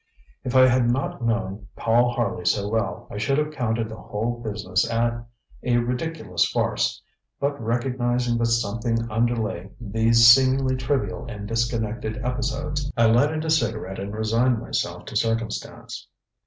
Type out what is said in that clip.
If I had not known Paul Harley so well I should have counted the whole business a ridiculous farce, but recognizing that something underlay these seemingly trivial and disconnected episodes, I lighted a cigarette and resigned myself to circumstance.